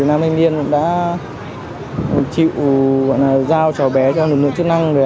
nam linh điên cũng đã chịu giao cháu bé cho lực lượng chức năng